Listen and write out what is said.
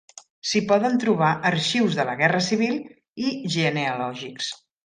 S'hi poden trobar arxius de la Guerra Civil i genealògics.